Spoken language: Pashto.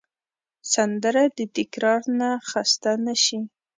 سندره د تکرار نه خسته نه شي